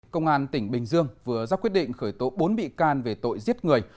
công an tỉnh bình dương vừa ra quyết định khởi tố bốn bị can về tội giết người